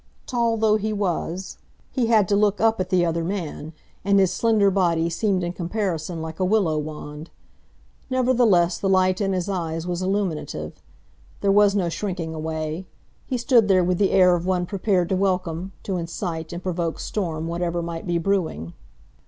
Tall though he was, he had to look up at the other man, and his slender body seemed in comparison like a willow wand. Nevertheless, the light in his eyes was illuminative. There was no shrinking away. He stood there with the air of one prepared to welcome, to incite and provoke storm whatever might be brewing.